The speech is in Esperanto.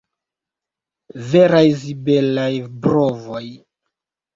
Veraj zibelaj brovoj!